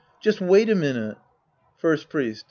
Just wait a minute. First Priest.